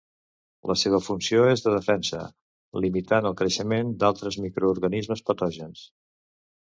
La seva funció és de defensa, limitant el creixement d'altres microorganismes patògens.